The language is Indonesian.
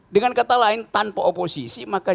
dengan kata lain tanpa oposisi maka